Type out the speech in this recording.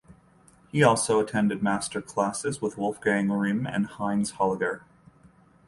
He also attended master classes with Wolfgang Rihm and Heinz Holliger.